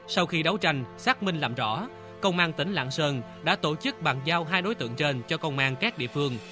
sau khi đấu tranh xác minh làm rõ công an tỉnh lạng sơn đã tổ chức bàn giao hai đối tượng trên cho công an các địa phương